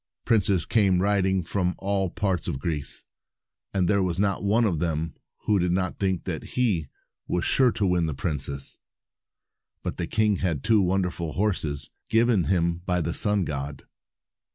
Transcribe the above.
Princes came riding from all parts of Greece, and there was not one of them who did not think that he was sure to win the princess. But the king had two wonderful horses, given him by the sun god.